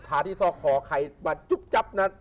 ทาที่ซ่อคอใครมาจุ๊บจับนะ